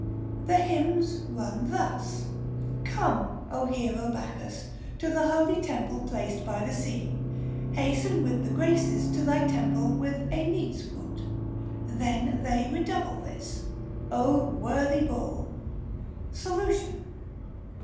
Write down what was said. The hymns run thus :" Come, Ο hero Bacchus, to thy holy temple placed by the sea ; hasten with the Graces to thy temple with a neat's foot." Then they re double this, " Ο worthy Bull "! Solution.